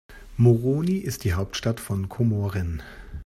Moroni ist die Hauptstadt von Komoren.